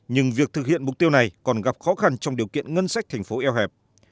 nhưng việc thực hiện mục tiêu này còn gặp khó khăn trong điều kiện ngân sách thành phố eo hẹp